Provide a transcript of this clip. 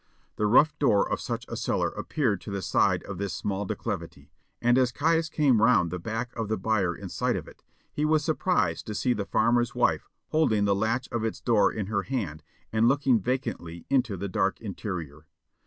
The rough door of such a cellar appeared in the side of this small declivity, and as Caius came round the back of the byre in sight of it, he was surprised to see the farmer's wife holding the latch of its door in her hand and looking vacantly into the dark interior.